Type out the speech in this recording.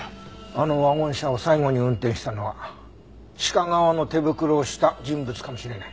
あのワゴン車を最後に運転したのは鹿革の手袋をした人物かもしれない。